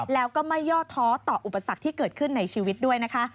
แล้วก็ไม่ย่อท้อต่ออุปสรรคที่เกิดขึ้นในชีวิตด้วยนะคะ